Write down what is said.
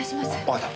わかった。